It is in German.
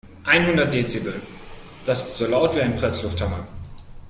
Einhundert Dezibel, das ist so laut wie ein Presslufthammer.